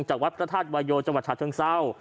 จากวัดประธาตุวายโยชน์จังหวัดชาติเทิงเศร้า